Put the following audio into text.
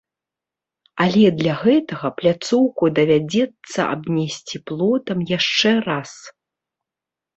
Але для гэтага пляцоўку давядзецца абнесці плотам яшчэ раз.